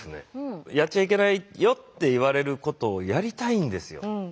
やっちゃいけないよって言われることをやりたいんですよ。